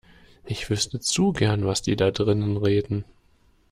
Ich wüsste zu gern, was die da drinnen reden.